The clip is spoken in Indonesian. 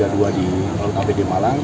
tiga puluh dua di lontapet jemalang